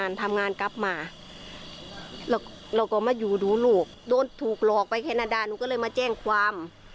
เราก็มาอยู่ดูลูกโดนถูกหลอกไปแคนาดาหนูก็เลยมาแจ้งความ